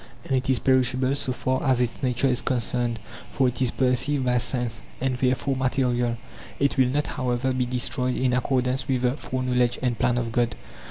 And it is perishable so far as its nature is concerned, for it is perceived by sense, and therefore material; it will not however be destroyed in accordance with the foreknowledge and plan of god.